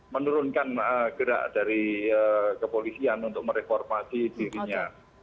menurunkan gerak dari kepolisian untuk mereformasi dirinya